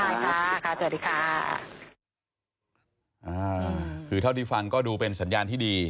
อ่าคือเท่าที่ฟังก็ดูเป็นสัญญาณที่ดี